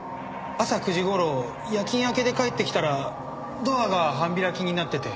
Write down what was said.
朝９時頃夜勤明けで帰ってきたらドアが半開きになってて。